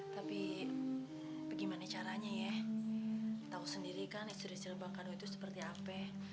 tapi bagaimana caranya ya tau sendiri kan istrinya bang karung itu seperti ape